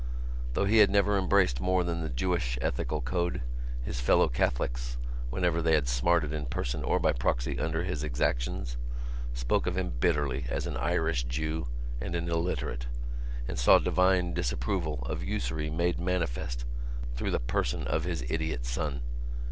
Though he had never embraced more than the Jewish ethical code his fellow Catholics, whenever they had smarted in person or by proxy under his exactions, spoke of him bitterly as an Irish Jew and an illiterate and saw divine disapproval of usury made manifest through the person of his idiot son.